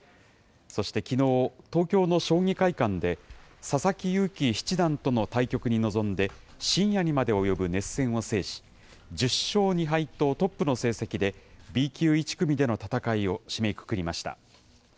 そしてきのう、東京の将棋会館で佐々木勇気七段との対局に臨んで深夜にまで及ぶ熱戦を制し、１０勝２敗とトップの成績でＢ級１組での戦いを締めくくりました。